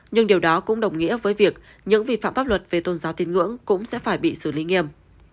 nhưng điều đó cũng đồng nghĩa với việc những vi phạm pháp luật về tôn giáo tin ngưỡng cũng sẽ phải bị xử lý nghiêm